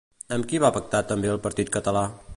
Amb qui va pactar també el partit català?